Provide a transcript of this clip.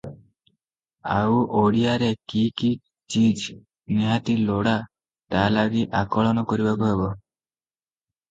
ଆଉ ଓଡ଼ିଆରେ କି କି ଚିଜ ନିହାତି ଲୋଡ଼ା ତା' ଲାଗି ଆକଳନ କରିବାକୁ ହେବ ।